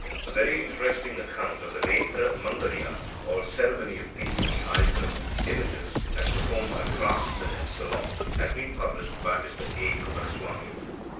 A very interesting account of the netra mangalya, or ceremony of painting the eyes of images, as performed by craftsmen in Ceylon, has been published by Mr A. K. Coomaraswamy.